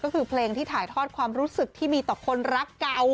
ก็คือเพลงที่ถ่ายทอดความรู้สึกที่มีต่อคนรักเก่า